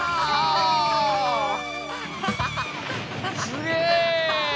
すげえ！